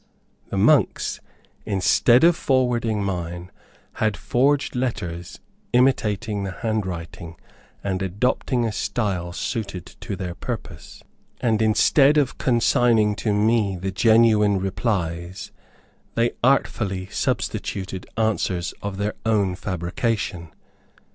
The monks, instead of forwarding mine, had forged letters imitating the hand writing, and adopting a style suited to their purpose; and instead of consigning to me the genuine replies, they artfully substituted answers of their own fabrication.